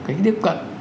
cái tiếp cận